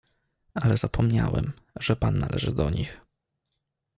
"Ale zapomniałem, że pan należy do nich."